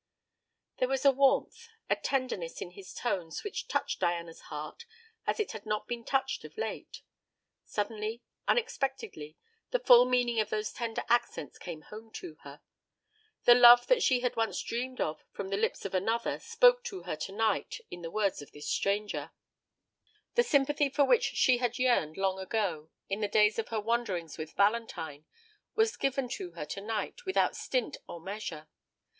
There was a warmth, a tenderness in his tones which touched Diana's heart as it had not been touched of late. Suddenly, unexpectedly, the full meaning of those tender accents came home to her. The love that she had once dreamed of from the lips of another spoke to her to night in the words of this stranger. The sympathy for which she had yearned long ago, in the days of her wanderings with Valentine, was given to her to night without stint or measure.